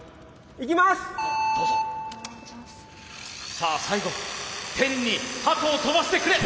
さあ最後天に鳩を飛ばしてくれ！